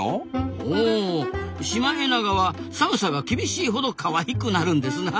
ほうシマエナガは寒さが厳しいほどかわいくなるんですなあ。